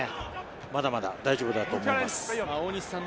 まだまだ大丈夫だと思います。